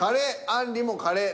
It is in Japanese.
あんりも「カレー」。